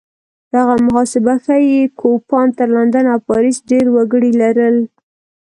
دغه محاسبه ښيي کوپان تر لندن او پاریس ډېر وګړي لرل